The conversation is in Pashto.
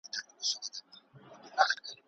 ستړی باد ورته ګویا سو ویل وني راته وایه